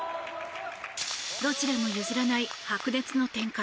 どちらも譲らない白熱の展開。